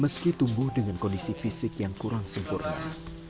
meski tumbuh dengan kondisi fisik yang kurang sempurna